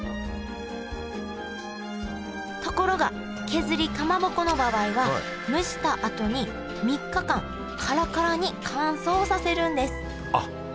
ところが削りかまぼこの場合は蒸したあとに３日間カラカラに乾燥させるんですあっ！